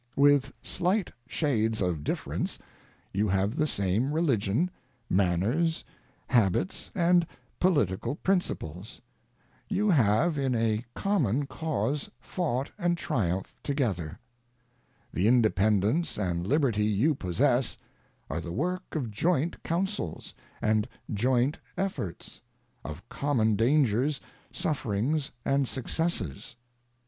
ŌĆö With slight shades of difference, you have the same Religion, Manners, Habits, and political Principles. ŌĆö You have in a com mon cause fought and triumphed together. ŌĆö The Independence and Liberty you possess are the work of joint councils, and joint efforts ŌĆö of common dangers, sufferings and successes.